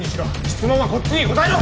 質問はこっちに答えろ！